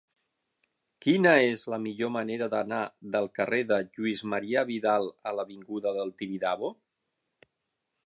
Quina és la millor manera d'anar del carrer de Lluís Marià Vidal a l'avinguda del Tibidabo?